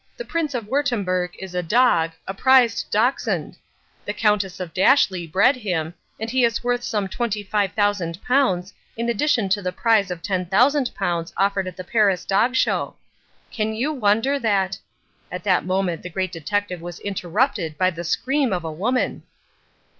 The Prince of Wurttemberg is a dog, a prize Dachshund. The Countess of Dashleigh bred him, and he is worth some £25,000 in addition to the prize of £10,000 offered at the Paris dog show. Can you wonder that—" At that moment the Great Detective was interrupted by the scream of a woman.